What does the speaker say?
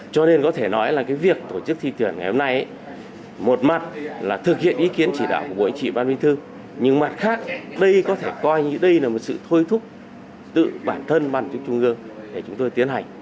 cho nên có thể nói là cái việc tổ chức thi tuyển ngày hôm nay một mặt là thực hiện ý kiến chỉ đạo của bộ y trị ban vinh thư nhưng mặt khác đây có thể coi như đây là một sự thôi thúc tự bản thân ban chức trung ương để chúng tôi tiến hành